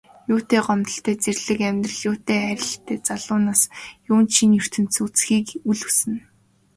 Юутай гомдолтой зэрлэг амьдрал, юутай хайрлалтай залуу нас, юунд шинэ ертөнцийг үзэхийг үл хүснэ.